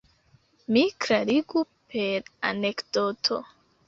Mi klarigu per anekdoto.